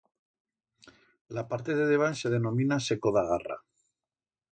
La parte de debant se denomina seco d'a garra.